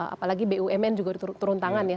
apalagi bumn juga turun tangan ya